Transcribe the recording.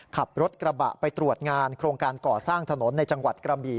ขับรถกระบะไปตรวจงานโครงการก่อสร้างถนนในจังหวัดกระบี่